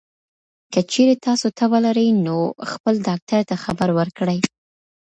که چېرې تاسو تبه لرئ، نو خپل ډاکټر ته خبر ورکړئ.